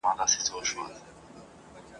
پر ښځه باندي د نارينه